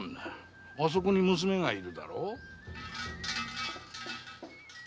あそこに娘がいるだろう？